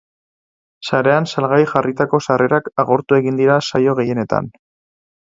Sarean salgai jarritako sarrerak agortu egin dira saio gehienetan.